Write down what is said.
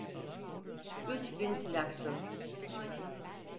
Üç bin silahşor…